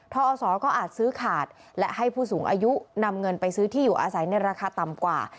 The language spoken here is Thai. อศก็อาจซื้อขาดและให้ผู้สูงอายุนำเงินไปซื้อที่อยู่อาศัยในราคาต่ำกว่า